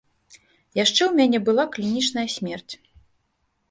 Яшчэ ў мяне была клінічная смерць.